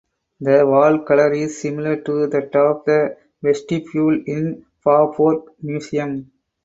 The wall colour is similar to that of the vestibule in Faaborg Museum.